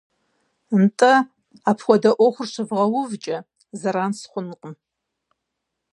– НтӀэ, апхуэдэу Ӏуэхур щывгъэувкӀэ, зэран сыхъункъым.